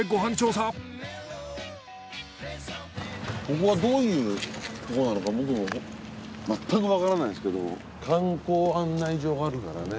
ここがどういうとこなのか僕もまったくわからないんですけど観光案内所があるならね。